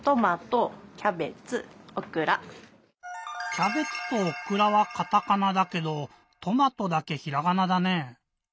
「キャベツ」と「オクラ」はカタカナだけど「とまと」だけひらがなだね。